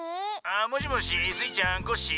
「もしもしスイちゃんコッシー。